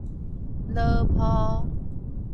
磘廍